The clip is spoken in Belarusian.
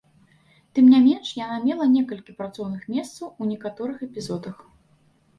Тым не менш, яна мела некалькі працоўных месцаў у некаторых эпізодах.